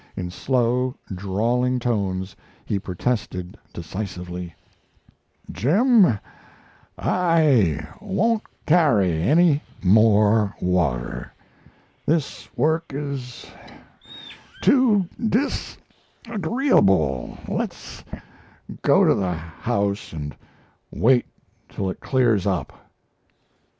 In slow, drawling tones he protested decisively: "Jim, I won't carry any more water. This work is too disagreeable. Let's go to the house and wait till it clears up."